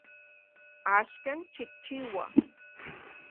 Axkan xikchiua